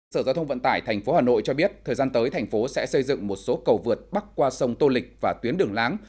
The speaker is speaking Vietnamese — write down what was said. sở giao thông vận tải tp hà nội cho biết thời gian tới thành phố sẽ xây dựng một số cầu vượt bắc qua sông tô lịch và tuyến đường láng